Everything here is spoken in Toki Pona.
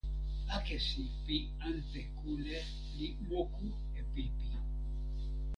akesi pi ante kule li moku e pipi.